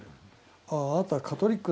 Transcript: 「あああなたカトリックなのか」